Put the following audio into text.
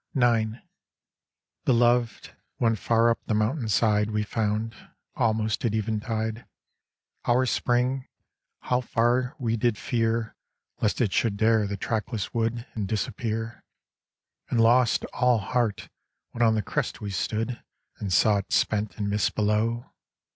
IX Beloved, when far up the mountain side We found, almost at eventide, Our spring, how far we did fear Lest it should dare the trackless wood And disappear! And lost all heart when on the crest we stood And saw it spent in mist below!